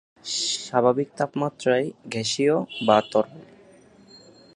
স্বাভাবিক তাপমাত্রায় গ্যাসীয়/তরল।